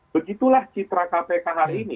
begitulah citra kpk hari ini